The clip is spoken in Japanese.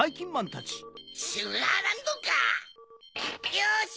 よし！